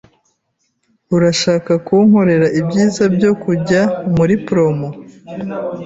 Urashaka kunkorera ibyiza byo kujya muri promo?